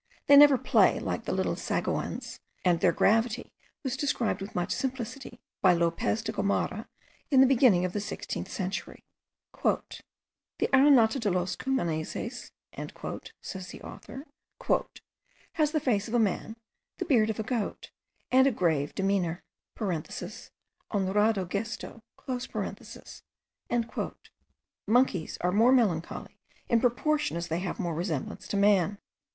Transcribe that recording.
They never play like the little sagoins, and their gravity was described with much simplicity by Lopez de Gomara, in the beginning of the sixteenth century. "The Aranata de los Cumaneses," says this author, "has the face of a man, the beard of a goat, and a grave demeanour (honrado gesto.)" Monkeys are more melancholy in proportion as they have more resemblance to man.